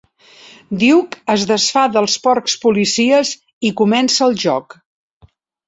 Duke es desfà dels porcs policies i comença el joc.